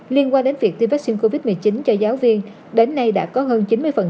liên quan đến việc tiêm vaccine covid một mươi chín cho giáo viên đến nay đã có hơn chín mươi